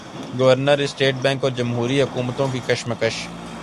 governor state bank اور جمہوری حکومتوں کی کشمکش